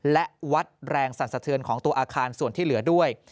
และวัดแรงสั่นสะเทือนของตัวอาคารส่วนที่เหลือด้วย